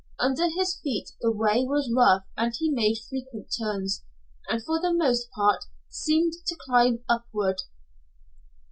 Under his feet the way was rough and made frequent turns, and for the most part seemed to climb upward.